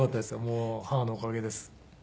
もう母のおかげです。